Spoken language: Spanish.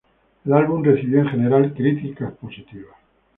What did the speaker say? El álbum recibió, en general, críticas positivas.